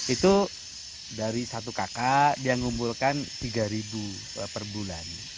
itu dari satu kakak dia mengumpulkan rp tiga per bulan